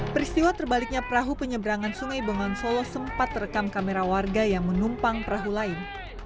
peristiwa terbaliknya perahu penyeberangan sungai bongan solo sempat terekam kamera warga yang menumpang perahu lain